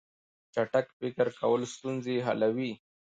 چټک فکر کول ستونزې حلوي.